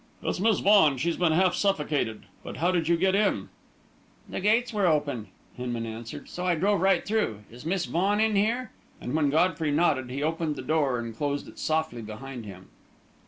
"It's Miss Vaughan she's been half suffocated. But how did you get in?" "The gates were open," Hinman answered, "so I drove right through. Is Miss Vaughan in here?" and when Godfrey nodded, he opened the door and closed it softly behind him.